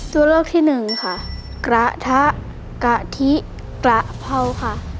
ตัวเลือกที่๑ค่ะกระทะกระธิกระเภาค่ะ